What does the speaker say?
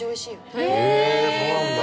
へぇそうなんだ。